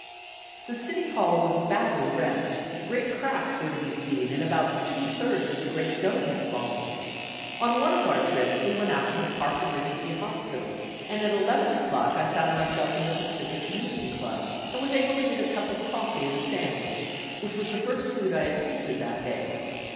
The City Hall was badly wrecked, great cracks were to be seen and about two thirds of the great dome had fallen. On one of our trips we went out to the Park Emergency Hospital, and at 11 o'clock I found myself in the Pacific Union Club and was able to get a cup of coffee and a sandwich, which was the first food I had tasted that day.